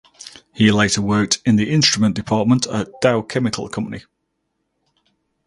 He later worked in the instrument department at Dow Chemical Company.